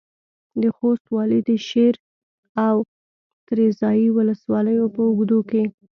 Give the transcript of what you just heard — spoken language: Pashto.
د خوست والي د شېر او تریزایي ولسوالیو په اوږدو کې